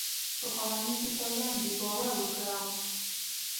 په خاوند مې دې سوگند وي باور وکړه